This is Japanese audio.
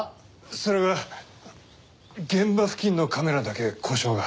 それが現場付近のカメラだけ故障が。